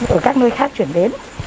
ở các nơi khác chuyển đến